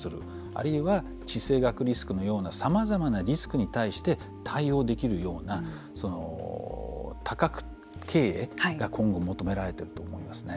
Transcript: あるいは地政学リスクのようなさまざまなリスクに対して対応できるような多角経営が今後求められていると思いますね。